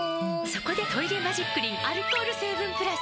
そこで「トイレマジックリン」アルコール成分プラス！